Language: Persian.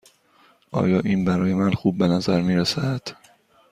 آیا این برای من خوب به نظر می رسد؟